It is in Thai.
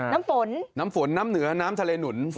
น้ำฝนน้ำฝนน้ำเหนือน้ำทะเลหนุน